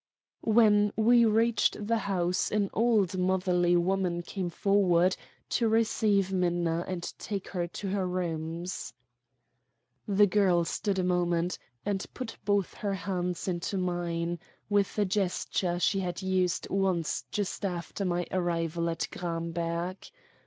When we reached the house an old motherly woman came forward to receive Minna and take her to her rooms. The girl stood a moment, and put both her hands into mine, with a gesture she had used once just after my arrival at Gramberg.